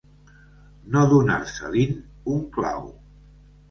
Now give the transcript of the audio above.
No donar-se-li'n un clau.